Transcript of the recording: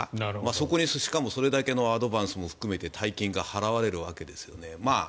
そこにしかもそれだけのアドバンスも含めて大金が払われるわけですよね。